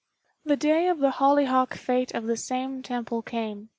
The day of the hollyhock fête of the same temple came.